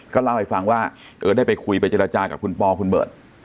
เล่าให้ฟังว่าเออได้ไปคุยไปเจรจากับคุณปอคุณเบิร์ต